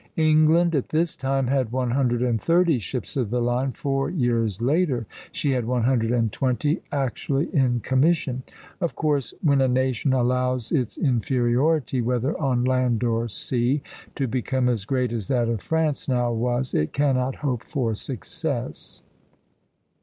England at this time had one hundred and thirty ships of the line; four years later she had one hundred and twenty actually in commission. Of course when a nation allows its inferiority, whether on land or sea, to become as great as that of France now was, it cannot hope for success.